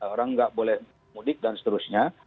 orang nggak boleh mudik dan seterusnya